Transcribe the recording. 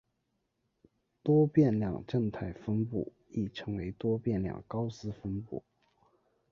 多变量正态分布亦称为多变量高斯分布。